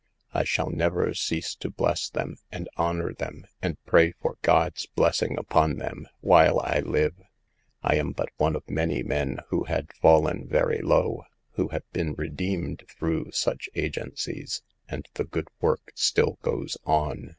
I shall never cease to bless them, and honor them, and pray for God's blessing upon them, while I live. I am but one of many men who had fallen very low, who have been redeemed through such agencies; and the good work still goes on.